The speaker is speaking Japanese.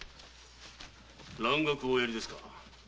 蘭学をおやりですか？